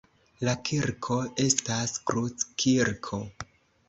La kirko estas kruckirko.